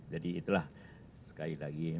jadi itulah sekali lagi